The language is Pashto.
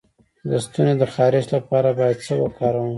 د ستوني د خارش لپاره باید څه وکاروم؟